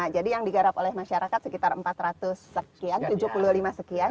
jadi yang digarap oleh masyarakat sekitar empat ratus sekian tujuh puluh lima sekian